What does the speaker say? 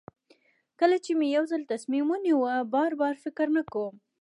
کله چې مې یو ځل تصمیم ونیو بار بار فکر نه کوم.